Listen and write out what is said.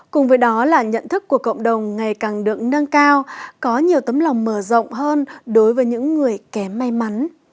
cùng với đó là nhận thức của cộng đồng ngày càng được nâng cao có nhiều tấm lòng mở rộng hơn đối với những người kém may mắn